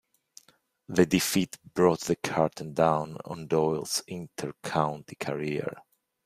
The defeat brought the curtain down on Doyle's inter-county career.